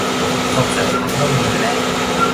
ส่งเสริมความร่วมมือและ